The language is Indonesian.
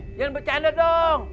jangan bercanda dong